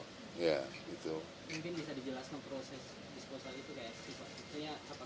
mungkin bisa dijelaskan proses disposal itu kayak apa sih pak